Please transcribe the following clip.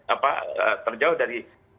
apa terjauh dari